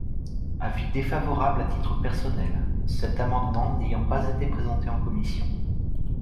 Avis défavorable à titre personnel, cet amendement n’ayant pas été présenté en commission.